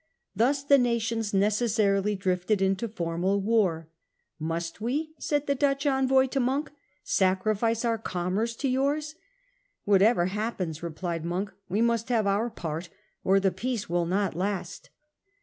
Thus the nations necessarily drifted into formal war. * Must we,' said the Dutch envoy to Monk, ' sacrifice our commerce to yours?* 'Whatever happens,* replied Monk, ' we must have our part, or the peace will not last.